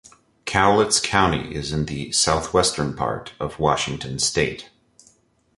Cowlitz County is in the southwestern part of Washington state.